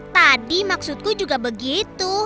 tadi maksudku juga begitu